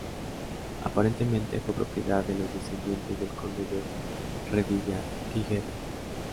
Aparentemente fue propiedad de los descendientes del conde de Revillagigedo.